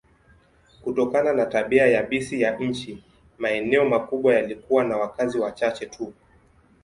Kutokana na tabia yabisi ya nchi, maeneo makubwa yalikuwa na wakazi wachache tu.